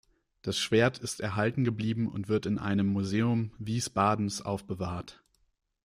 Das Schwert ist erhalten geblieben und wird in einem Museum Wiesbadens aufbewahrt.